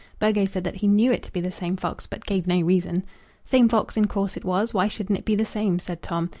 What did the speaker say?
Burgo said that he knew it to be the same fox, but gave no reason. "Same fox! in course it was; why shouldn't it be the same?" said Tom.